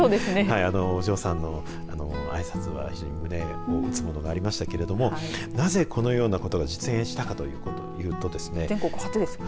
お嬢さんのあいさつは非常に胸を打つものがありましたけれどなぜこのようなことが実現したかというと全国初ですからね。